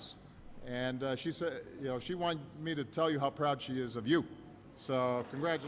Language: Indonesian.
dan dia ingin saya memberitahu anda bahwa dia sangat bangga dengan anda